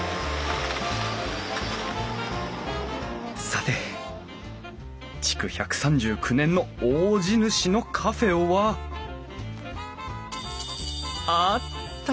さて築１３９年の大地主のカフェはあった！